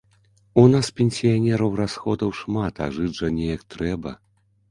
У нас, пенсіянераў, расходаў шмат, а жыць жа неяк трэба.